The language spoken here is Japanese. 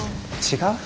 違う？